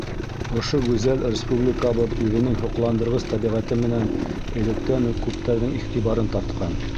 Ошо гүзәл республикабыҙ үҙенең һоҡландырғыс тәбиғәте менән электән үк күптәрҙең иғтибарын тартҡан.